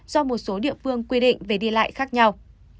do một số địa phương quy định về đi lại khác nhau